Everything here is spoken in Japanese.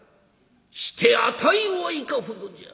「して値はいかほどじゃ」。